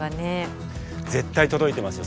絶対届いてますよ